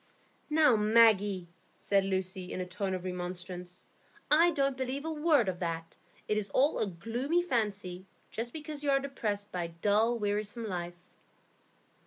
"Now, Maggie!" said Lucy, in a tone of remonstrance, "I don't believe a word of that. It is all a gloomy fancy, just because you are depressed by a dull, wearisome life."